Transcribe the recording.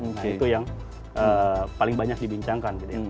nah itu yang paling banyak dibincangkan gitu ya